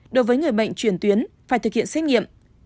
đối với người bệnh truyền tuyến phải thực hiện xét nghiệm